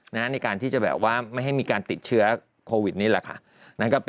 ส่งคลิปมาไปดูกันไหม